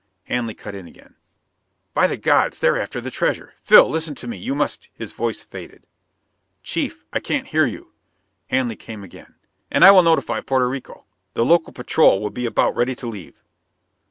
Hanley cut in again. "By the gods, they're after that treasure! Phil, listen to me! you must...." His voice faded. "Chief, I can't hear you!" Hanley came again: "... And I will notify Porto Rico. The local patrol will be about ready to leave."